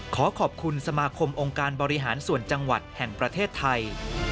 ขอขอบคุณสมาคมองค์การบริหารส่วนจังหวัดแห่งประเทศไทย